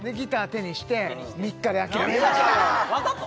手にして３日で諦めましたわざと？